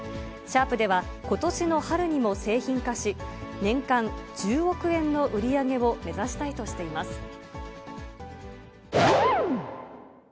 シャープでは、ことしの春にも製品化し、年間１０億円の売り上げを目指したいとしています。